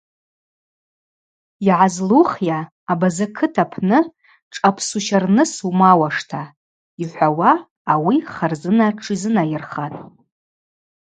Йгӏазлухйа абаза кыт апны тшъапсущарныс умаууашта,–йхӏвауа ауи Харзына тшизынайырхатӏ.